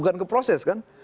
bukan ke proses kan